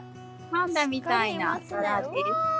パンダみたいな柄です。